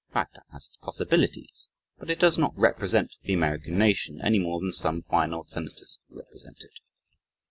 Ragtime has its possibilities. But it does not "represent the American nation" any more than some fine old senators represent it.